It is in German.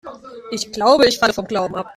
Ich glaube, ich falle vom Glauben ab.